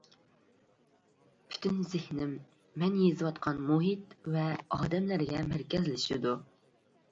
پۈتۈن زېھنىم مەن يېزىۋاتقان مۇھىت ۋە ئادەملەرگە مەركەزلىشىدۇ.